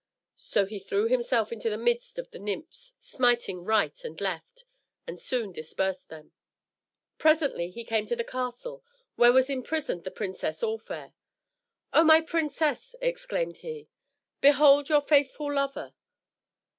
So he threw himself into the midst of the nymphs, smiting right and left, and soon dispersed them. Presently he came to the castle, where was imprisoned the princess All Fair. "O my princess," exclaimed he, "behold your faithful lover!"